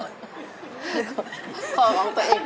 ของตัวเอง